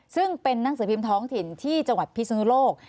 ซึ่งเป็นนังสือพิมพ์ท้องถิ่นที่จังหวัดพิศนุโลก